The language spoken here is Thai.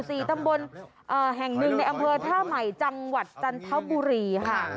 นี่ทำยังไงโอ้โฮนี่มันโผ่หัวมาอีกแล้วใช่ค่ะโอ้โฮนี่มันโผ่หัวมาอีกแล้ว